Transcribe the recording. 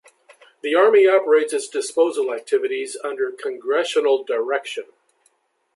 The Army operates its disposal activities under congressional direction.